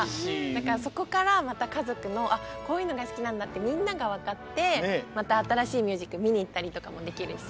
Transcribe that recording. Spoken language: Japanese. だからそこからまたかぞくの「あっこういうのがすきなんだ」ってみんながわかってまたあたらしいミュージカルみにいったりとかもできるし。